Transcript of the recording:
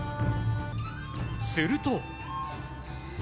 すると。